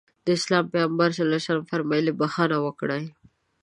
د اسلام پيغمبر ص وفرمايل بښنه وکړئ.